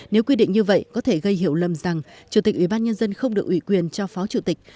nếu quy định như vậy có thể gây hiểu lầm rằng chủ tịch ubnd không được ủy quyền cho phó chủ tịch